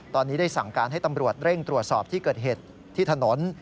ตอนนี้ได้สั่งการให้ตำรวจเร่งตรวจสอบที่เกิดเหตุที่ถนน